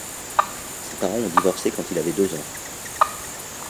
Ses parents ont divorcé quand il avait deux ans.